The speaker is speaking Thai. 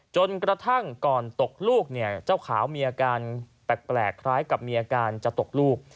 จนกระทั่งก่อนตกลูกเนี่ยเจ้าขาวมีอาการแปลกคล้ายกับมีอาการจะตกลูก